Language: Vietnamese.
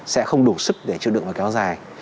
sẽ không đủ sức để chưa đựng và kéo dài